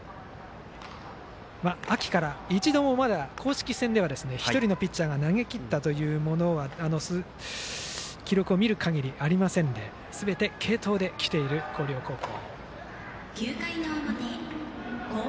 秋から、一度もまだ公式戦では１人のピッチャーが投げきったというのは記録を見る限り、ありませんですべて継投できている広陵高校。